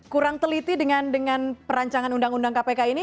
kurang teliti dengan perancangan undang undang kpk ini